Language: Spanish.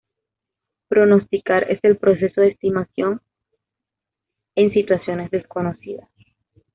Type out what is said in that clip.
Pronosticar es el proceso de estimación en situaciones desconocidas.